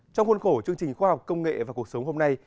trong khuôn khổ chương trình khoa học công nghệ và cuộc sống hôm nay